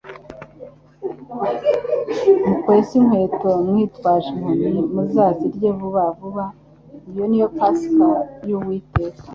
mukwese inkweto mwitwaje inkoni, muzazirye vuba vuba; iyo ni yo Pasika y'Uwiteka.»